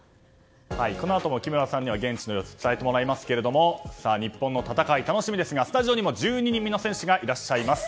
このあとも木村さんには現地の様子を伝えてもらいますが日本の戦い、楽しみですがスタジオにも１２人目の選手がいらっしゃいます。